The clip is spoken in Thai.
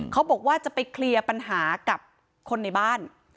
เขาบอกว่าจะไปเคลียร์ปัญหากับคนในบ้าน